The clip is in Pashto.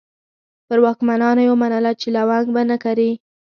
پر واکمنانو یې ومنله چې لونګ به نه کري.